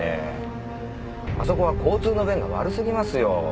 あそこは交通の便が悪過ぎますよ。